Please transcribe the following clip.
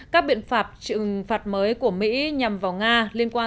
các biện phạt trừng phạt mới của mỹ nhằm vào nga